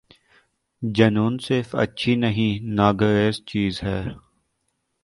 جنون صرف اچھی نہیں ناگزیر چیز ہے۔